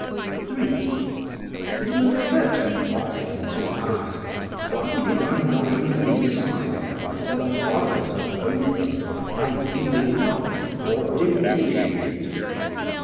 3. It will occur to you often to ask, why did I not release myself from the horrors of opium by leaving it off or diminishing it?